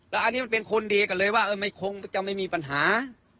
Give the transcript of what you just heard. แล้วอันนี้มันเป็นคนเดียวกันเลยว่าไม่คงจะไม่มีปัญหา